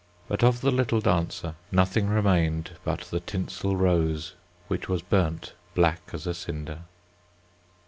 But of the little dancer nothing remained but the tinsel rose, which was burnt black as a cinder.